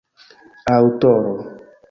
aŭtoro